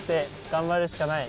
頑張るしかない！